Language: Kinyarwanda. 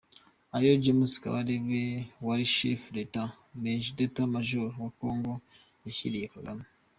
.ayo James Kabarebe wari Chef d’etat Major wa Congo yashyiriye kagame